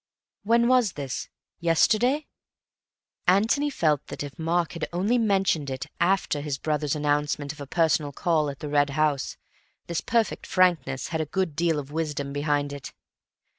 "When was this? Yesterday?" Antony felt that, if Mark had only mentioned it after his brother's announcement of a personal call at the Red House, this perfect frankness had a good deal of wisdom behind it.